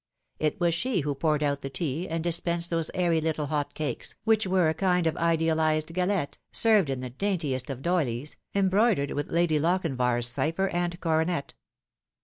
It was she who poured out the tea and dispensed those airy little hot cakes, which were a kind of idealised galette, served in the daintiest of doyleys, embroidered with Lady Lochinvar's cipher and coronet.